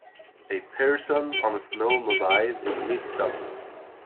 A person on a snowmobile in mid jump.